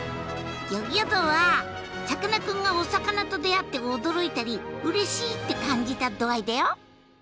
ギョギョ度はさかなクンがお魚と出会って驚いたりうれしいって感じた度合いだよ！